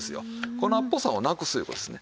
粉っぽさをなくすいう事ですね